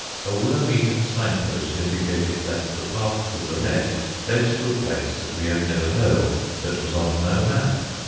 A worm eaten sign post indicated that the path to the left led to a place that we had never heard of that was on no map.